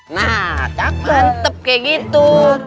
nah mantap kayak gitu